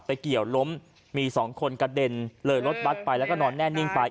เกี่ยวล้มมีสองคนกระเด็นเลยรถบัตรไปแล้วก็นอนแน่นิ่งไป